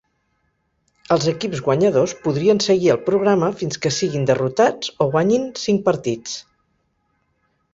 Els equips guanyadors podrien seguir al programa fins que siguin derrotats o guanyin cinc partits.